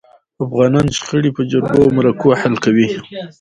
افغانان شخړي په جرګو او مرکو حل کوي.